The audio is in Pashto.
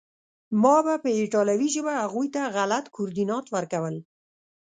ما به په ایټالوي ژبه هغوی ته غلط کوردینات ورکول